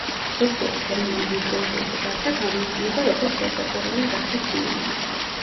ზოგჯერ ტერმინი „ნეგროიდული რასა“ გამოიყენება, როგორც ეკვატორული რასის სინონიმი.